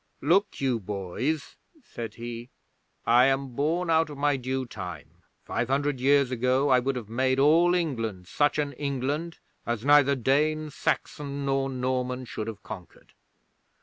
'"Look you, boys," said he, "I am born out of my due time. Five hundred years ago I would have made all England such an England as neither Dane, Saxon, nor Norman should have conquered.